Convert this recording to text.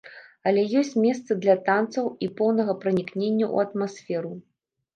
Але ёсць месца для танцаў і поўнага пранікнення ў атмасферу.